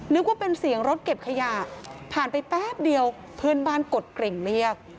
นึกว่าเป็นเสียงรถเก็บขยะผ่านไปแป๊บเดียวเพื่อนบ้านกดกริ่งเรียก